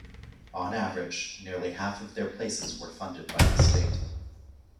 On average, nearly half of their places were funded by the state.